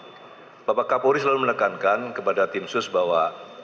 jadi bapak kapori selalu menekankan kepada tim sus bahwa